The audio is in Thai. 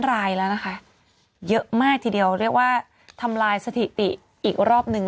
รายแล้วนะคะเยอะมากทีเดียวเรียกว่าทำลายสถิติอีกรอบหนึ่ง